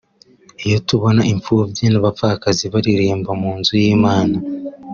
Iyo tubona impfubyi n’abapfakazi baririmba mu nzu y’Imana